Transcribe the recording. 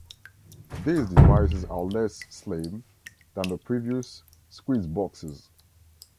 These devices are less "slim" than the previous Squeezeboxes.